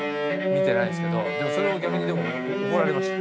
「見てないですけどでもそれを逆に怒られました」